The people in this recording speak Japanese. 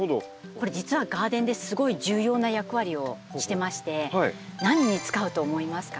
これ実はガーデンですごい重要な役割をしてまして何に使うと思いますか？